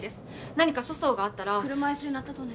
何か粗相があったら車椅子になったとね？